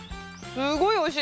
すごいおいしいですよ。